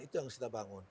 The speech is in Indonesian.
itu yang harus kita bangun